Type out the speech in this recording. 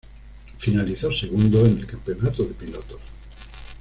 Finalizó segundo en el campeonato de pilotos.